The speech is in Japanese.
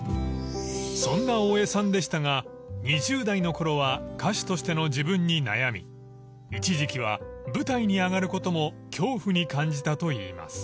［そんな大江さんでしたが２０代のころは歌手としての自分に悩み一時期は舞台に上がることも恐怖に感じたといいます］